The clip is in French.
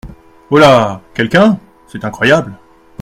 Holà !… quelqu’un !… c’est incroyable !